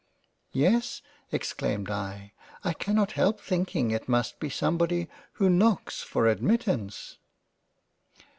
" Yes (exclaimed I) I cannot help thinking it must be somebody who knocks for admittance."